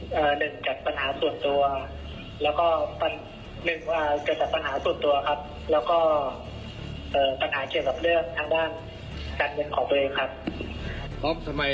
หนึ่งจัดปัญหาส่วนตัว